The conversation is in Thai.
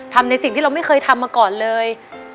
ในสิ่งที่เราไม่เคยทำมาก่อนเลย